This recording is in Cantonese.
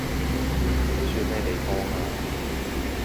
呢樹咩地方啊？